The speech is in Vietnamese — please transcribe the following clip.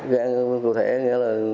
gian cụ thể nghĩa là